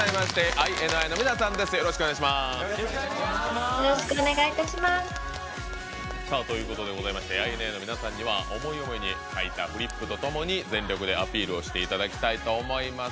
ＩＮＩの皆さんには思い思いに描いたフリップとともに全力でアピールをしていただきたいと思います。